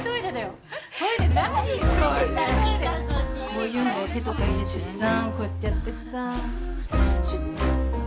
こういうのは手とか入れてさこうやってやってさ。